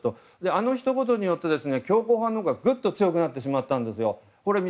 あの一言によってぐっと強硬派のほうがぐっと強くなってしまったんです。